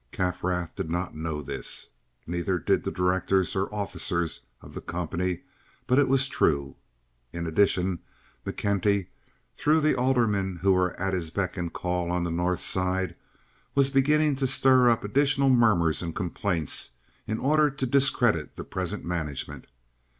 Kaffrath did not know this. Neither did the directors or officers of the company, but it was true. In addition, McKenty, through the aldermen, who were at his beck and call on the North Side, was beginning to stir up additional murmurs and complaints in order to discredit the present management.